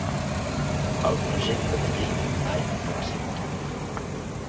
El projecte de llei mai no va ser votat.